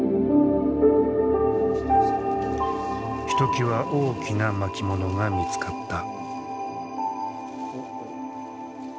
ひときわ大きな巻物が見つかった。